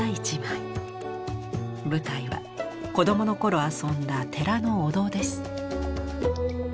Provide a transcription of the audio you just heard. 舞台は子どもの頃遊んだ寺のお堂です。